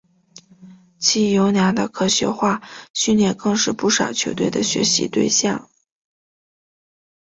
其优良的科学化训练更是不少球队的学习对象。